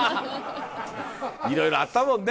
いろいろあったもんね。